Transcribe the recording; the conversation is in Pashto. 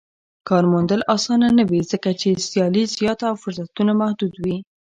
کار موندل اسانه نه وي ځکه چې سيالي زياته او فرصتونه محدود وي.